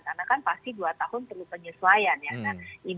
karena kan pasti dua tahun perlu penyesuaian ya kan